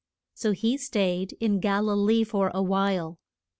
So he staid in Gal i lee for a while.